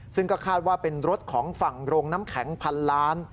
ซึ่งก็คาดว่าเป็นรถของฝั่งโรงน้ำแข็งพันล้าน